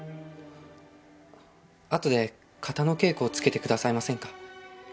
あとで形の稽古をつけてくださいませんか？